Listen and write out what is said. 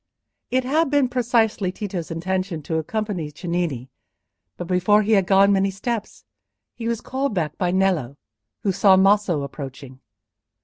It had been precisely Tito's intention to accompany Cennini, but before he had gone many steps, he was called back by Nello, who saw Maso approaching.